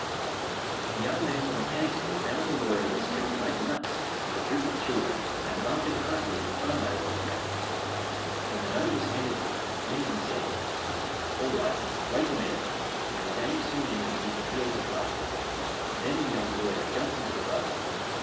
The young man from Mechanicsville found the lawyer in the street playing "knucks" with a troop of children and laughing heartily at the fun they were all having. When the note was handed to him, Lincoln said: "All right, wait a minute," and the game soon ended amid peals of laughter. Then the young lawyer jumped into the buggy.